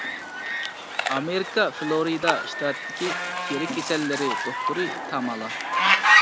ئامېرىكا فىلورىدا ئىشتاتىدىكى تېرە كېسەللىرى دوختۇرى تامالا.